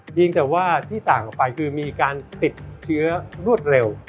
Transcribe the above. แต่ว่าที่ต่างออกไปคือมีการติดเชื้อรวดเร็ว